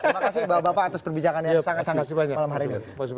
terima kasih bapak bapak atas perbincangan yang sangat sangat malam hari ini